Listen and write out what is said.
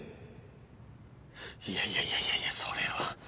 いやいやいやいやそれは。